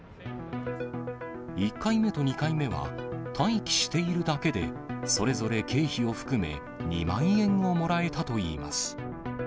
１回目と２回目は待機しているだけで、それぞれ経費を含め２万円をもらえたといいます。